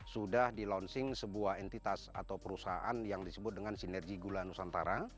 sudah di launching sebuah entitas atau perusahaan yang disebut dengan sinergi gula nusantara